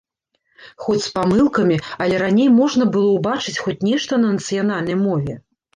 Хоць з памылкамі, але раней можна было ўбачыць хоць нешта на нацыянальнай мове.